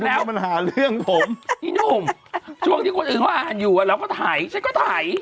แล้วมันหาเรื่องผมพี่หนุ่มช่วงที่คนอื่นเขาอ่านอยู่เราก็ถ่ายฉันก็ถ่าย